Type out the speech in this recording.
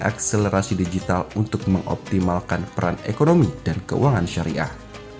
akselerasi digital untuk mengoptimalkan peran ekonomi dan keuangan syariah